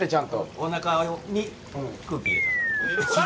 おなかに空気入れたら。